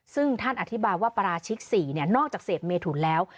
ซึ่งท่านอธิบายว่าปราชิก๔นอกจากเสพเมถุนแล้ว